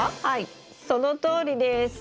はいそのとおりです。